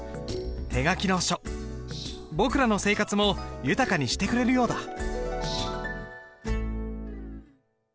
手書きの書僕らの生活も豊かにしてくれるようだ。